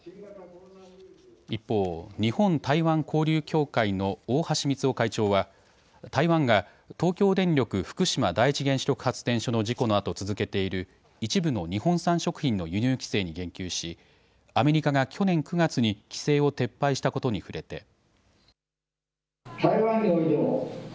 一方、日本台湾交流協会の大橋光夫会長は台湾が東京電力福島第一原子力発電所の事故のあと続けている一部の日本産食品の輸入規制に言及しアメリカが去年９月に規制を撤廃したことに触れて。